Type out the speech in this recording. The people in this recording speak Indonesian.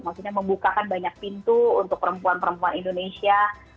maksudnya membukakan banyak pintu untuk perempuan perempuan indonesia